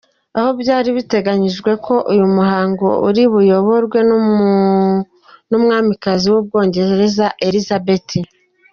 Aho byari biteganijwe ko uyu muhango uri buyoborwe n’Umwamikazi w’u Bwongereza Elizabeth.